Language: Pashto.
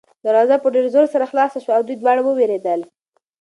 دروازه په ډېر زور سره خلاصه شوه او دوی دواړه ووېرېدل.